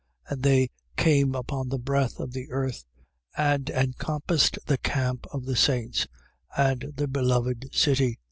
20:8. And they came upon the breadth of the earth and encompassed the camp of the saints and the beloved city.